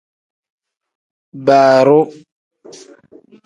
Baaroo.